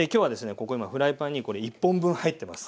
ここ今フライパンにこれ１本分入ってます。